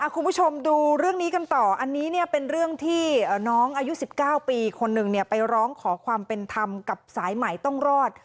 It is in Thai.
คุณผู้ชมดูเรื่องนี้กันต่ออันนี้เป็นเรื่องที่น้องอายุ๑๙ปีคนหนึ่งไปร้องขอความเป็นธรรมกับสายใหม่ต้องรอด